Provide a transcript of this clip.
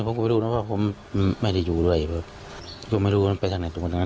กูไม่ดูสนใจว่าจะรู้ว่ามันจะเป็นอะไร